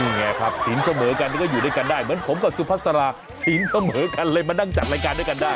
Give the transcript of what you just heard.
นี่ไงครับศีลเสมอกันก็อยู่ด้วยกันได้เหมือนผมกับสุภาษาศีลเสมอกันเลยมานั่งจัดรายการด้วยกันได้